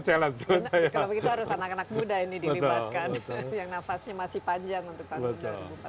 kalau begitu harus anak anak muda ini dilibatkan yang nafasnya masih panjang untuk tahun dua ribu empat belas